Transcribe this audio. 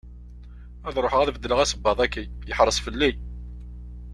Ad ruḥeɣ ad d-beddleɣ asebbaḍ-agi, yeḥreṣ fell-i.